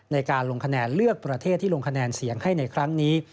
ในการลงคะแนนเลือกประเทศที่ลงคะแนนเสียงให้ในครั้งนี้